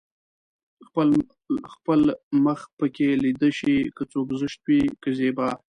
خپل خپل مخ پکې ليده شي که څوک زشت وي که زيبا